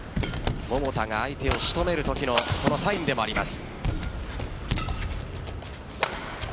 桃田が相手を仕留めるときのそのサインでもあります。